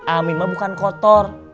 amin mah bukan kotor